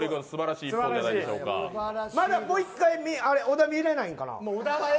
まだもう１回小田、見れないかな。